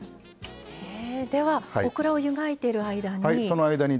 ではオクラを湯がいてる間に。